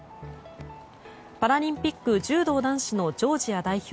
パラリンピック柔道男子のジョージア代表